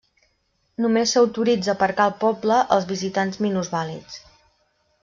Només s'autoritza aparcar al poble als visitants minusvàlids.